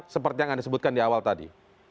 seperti yang disebutkan di awal tadi